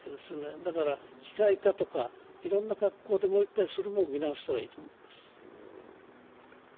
だから機械化とかいろんな格好でいろんなものを見直したらいいと思います。